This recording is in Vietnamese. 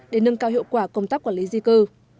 để nâng cao hiệu quả công tác quản lý di cư